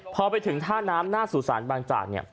พอไปถึงท่าน้ำหน้าสู่สารบางจากเนี่ย